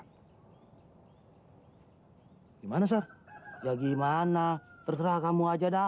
hai gimana ya gimana terserah kamu aja dah